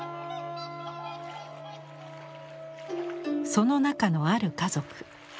その中のある家族。